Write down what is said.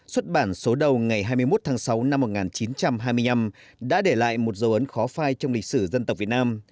xuất bản số đầu ngày hai mươi một tháng sáu năm một nghìn chín trăm hai mươi năm đã để lại một dấu ấn khó phai trong lịch sử dân tộc việt nam